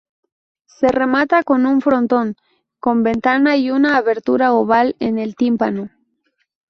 Se remata con un frontón con ventana y una abertura oval en el tímpano.